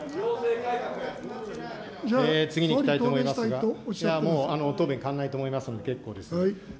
次に行きたいと思いますが、答弁変わらないと思いますので、結構です。